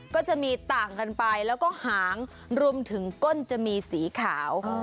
ก็จะมีต่างกันไปแล้วก็หางรวมถึงก้นจะมีสีขาว